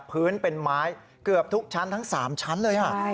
พื้นเป็นไม้เกือบทุกชั้นทั้ง๓ชั้นเลย